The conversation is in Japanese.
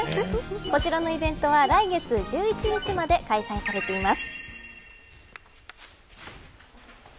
こちらのイベントは来月１１日まで開催されています。